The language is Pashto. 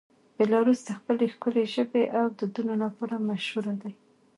بیلاروس د خپل ښکلې ژبې او دودونو لپاره مشهوره دی.